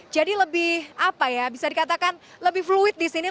jadi lebih apa ya bisa dikatakan lebih fluid disini